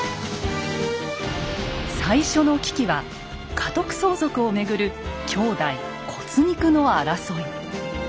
最初の危機は家督相続をめぐる兄弟骨肉の争い。